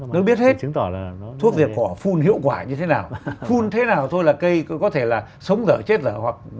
nó biết hết thuốc diệt cỏ phun hiệu quả như thế nào phun thế nào thôi là cây có thể là sống dở chết dở hoặc